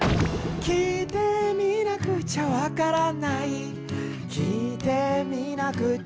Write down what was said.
「きいてみなくちゃわからない」「きいてみなくっちゃ」